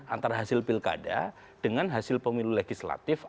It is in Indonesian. antara hasil pilkada dengan hasil pemilu legislatif